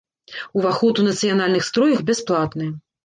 Уваход у нацыянальных строях бясплатны.